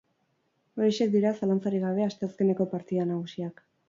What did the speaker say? Horiexek dira, zalantzarik gabe, asteazkeneko partida nagusiak.